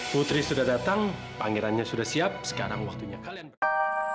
putri sudah datang pangerannya sudah siap sekarang waktunya kalian berdua